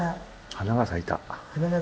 花が咲いた。